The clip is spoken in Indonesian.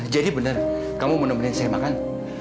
jadi benar kamu mau nemenin saya makan